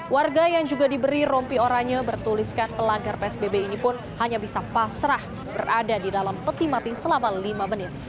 warga yang juga diberi rompi oranya bertuliskan pelanggar psbb ini pun hanya bisa pasrah berada di dalam peti mati selama lima menit